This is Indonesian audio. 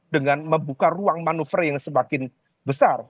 dengan membuka ruang manuver yang semakin besar